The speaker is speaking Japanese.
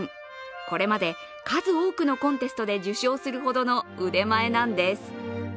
これまで数多くのコンテストで受賞するほどの腕前なんです。